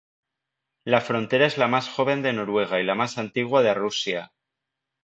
La frontera es la más joven de Noruega y la más antigua de Rusia.